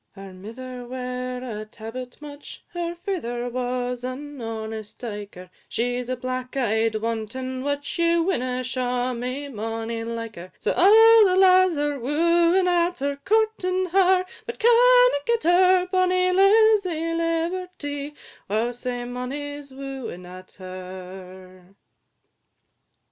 II. Her mither ware a tabbit mutch, Her father was an honest dyker, She 's a black eyed wanton witch, Ye winna shaw me mony like her: So a' the lads are wooing at her, Courting her, but canna get her; Bonny Lizzy Liberty, wow, sae mony 's wooing at her!